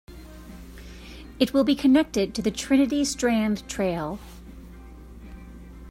It will be connected to the Trinity Strand Trail.